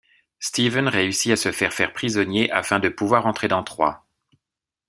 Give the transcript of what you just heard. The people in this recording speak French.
Steven réussit à se faire faire prisonnier afin de pouvoir entrer dans Troie.